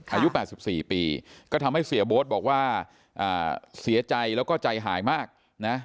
อายุ๘๔ปีก็ทำให้เสียโบ๊ทบอกว่าเสียใจแล้วก็ใจหายมากนะ